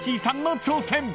さんの挑戦］